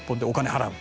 払う。